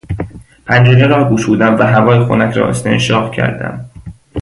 پنجره را گشودم و هوای خنک را استنشاق کردم.